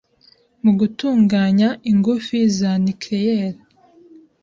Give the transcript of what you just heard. mu gutunganya ingufu za nucléaire,